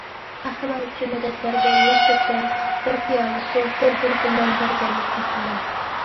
قەھرىمان ئۈچۈن مەدەت بەرگەن، ياش تۆككەن، بىر پىيالە سۇ، بىر بۇردا نان بەرگەنمۇ قەھرىمان.